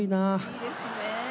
いいですね。